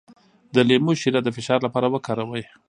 د لیمو شیره د فشار لپاره وکاروئ